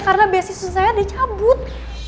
karena beasiswa saya dicabut